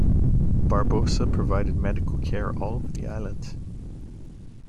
Barbosa provided medical care all over the island.